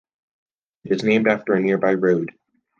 It is named after a nearby road.